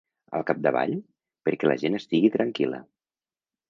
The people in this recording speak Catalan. Al capdavall, perquè la gent estigui tranquil·la.